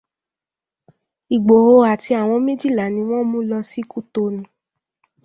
Ìgbòho àti àwọn méjìlá ni wọ́n mú lọ sí Kútọnu